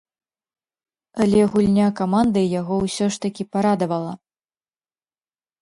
Але гульня каманды яго ўсё ж такі парадавала.